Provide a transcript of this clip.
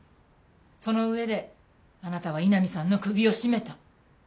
その上であなたは井波さんの首を絞めた。